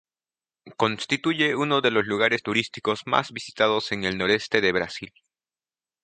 Constituye uno de los lugares turísticos más visitados en el noreste de Brasil.